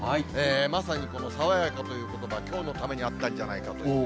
まさにこの爽やかということば、きょうのためにあったんじゃないかと。